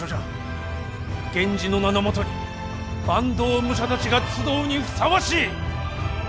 源氏の名のもとに坂東武者たちが集うにふさわしい！